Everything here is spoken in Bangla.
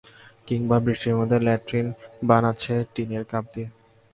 কিংবা বৃষ্টির মধ্যে ল্যাট্রিন বানাচ্ছে টিনের কাপ দিয়ে।